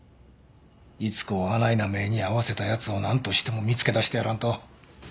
伊津子をあないな目に遭わせた奴をなんとしても見つけ出してやらんと。